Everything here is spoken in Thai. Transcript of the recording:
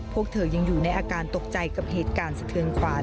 พวกเธอยังอยู่ในอาการตกใจกับเหตุการณ์สะเทือนขวาน